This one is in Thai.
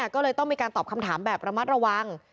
ก็เลยต้องมีการตอบคำถามแบบระมัดระวัง